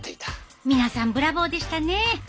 皆さんブラボーでしたねえ。